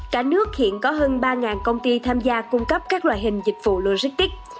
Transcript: cả nước hiện có hơn ba công ty tham gia cung cấp các loại hình dịch vụ logistics